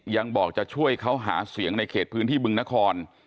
ยังบอกจะช่วยเขาหาเสียงในเขตพื้นที่บึงนคร